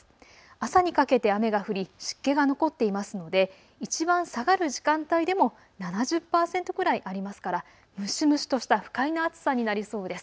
朝にかけて雨が降り湿気が残っていますのでいちばん下がる時間帯でも７０％くらいありますから蒸し蒸しとした不快な暑さになりそうです。